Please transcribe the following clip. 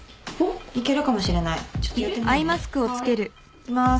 いきます。